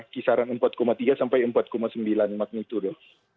kisaran empat tiga sampai empat sembilan magnitudo